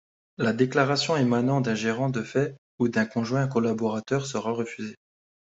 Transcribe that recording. La déclaration émanant d'un gérant de fait ou d'un conjoint collaborateur sera refusée.